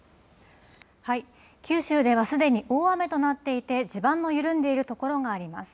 九州ではすでに大雨となっていて地盤の緩んでいるところがあります。